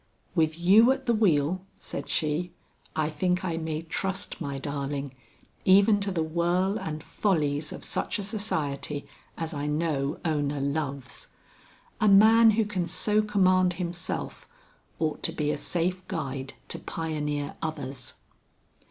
"With you at the wheel," said she, "I think I may trust my darling, even to the whirl and follies of such a society as I know Ona loves. A man who can so command himself, ought to be a safe guide to pioneer others."